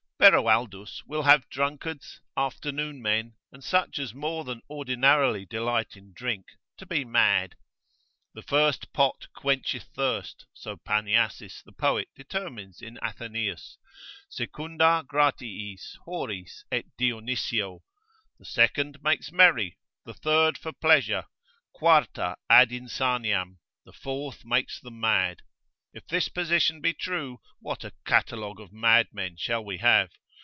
Beroaldus will have drunkards, afternoon men, and such as more than ordinarily delight in drink, to be mad. The first pot quencheth thirst, so Panyasis the poet determines in Athenaeus, secunda gratiis, horis et Dyonisio: the second makes merry, the third for pleasure, quarta, ad insaniam, the fourth makes them mad. If this position be true, what a catalogue of mad men shall we have?